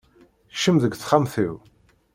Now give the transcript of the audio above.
Kcem deg texxamt-iw.